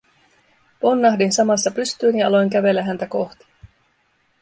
Ponnahdin samassa pystyyn ja aloin kävellä häntä kohti.